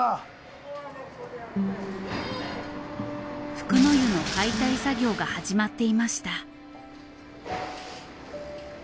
福の湯の解体作業が始まっていました。